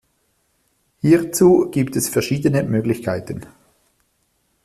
Hierzu gibt es verschiedene Möglichkeiten.